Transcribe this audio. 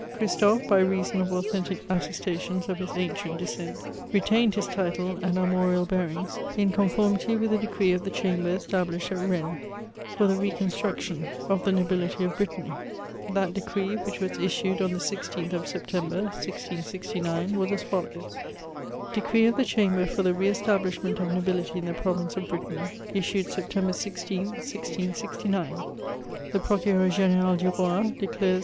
Christophe, by reason of authentic attestations of his ancient descent, retained his title and armorial bearings, in conformity with a decree of the Chamber established at Bennes, for the re*construction of the nobility of Brittany. That decree, which was issued ojy the 16th of September, 1669, was as follows :Decree of the Chamber for the re estaUishment of nobiUty in the province of Brittany, issued September 16, 1669. — The Procureur G^^ral du Boi declares M.